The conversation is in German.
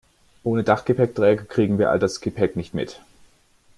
Ohne Dachgepäckträger kriegen wir all das Gepäck nicht mit.